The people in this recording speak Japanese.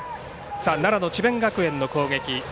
奈良の智弁学園の攻撃です。